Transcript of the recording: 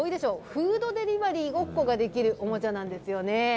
フードデリバリーごっこができるおもちゃなんですよね。